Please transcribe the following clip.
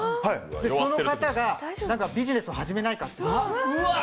その方がビジネスを始めないかと。